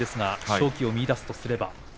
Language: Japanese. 勝機を見いだすとすれば。